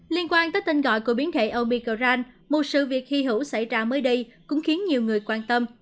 liên quan tới tên gọi của biến thể obi grand một sự việc hy hữu xảy ra mới đây cũng khiến nhiều người quan tâm